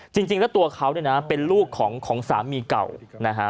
จริงแล้วตัวเขาเนี่ยนะเป็นลูกของสามีเก่านะฮะ